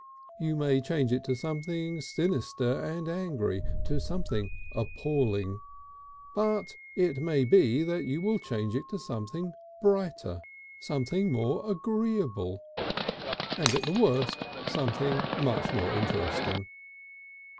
You may change it to something sinister and angry, to something appalling, but it may be you will change it to something brighter, something more agreeable, and at the worst something much more interesting.